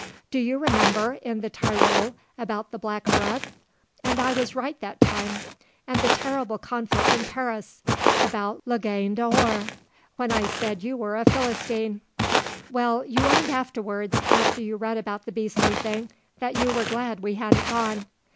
"Do you remember, in the Tyrol, about the black bread! And I was right that time. And the terrible conflict in Paris, about La Gaine d'Or; when I said you were a Philistine." "Well, you owned afterwards, after you read about the beastly thing, that you were glad we hadn't gone."